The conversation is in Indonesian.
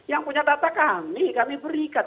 yang punya data kami kami berikan